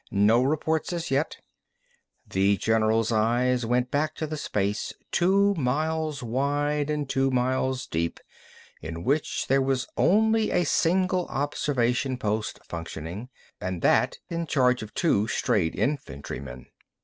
"No reports as yet." The general's eyes went back to the space two miles wide and two miles deep in which there was only a single observation post functioning, and that in charge of two strayed infantrymen.